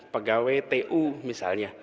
pegawai tu misalnya